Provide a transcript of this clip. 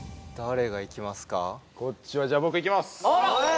こっちはじゃあ僕いきます！